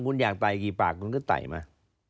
คุณอยากไตกี่ปากก็ไตมา